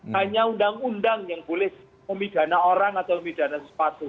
hanya undang undang yang boleh memidana orang atau memidana sesuatu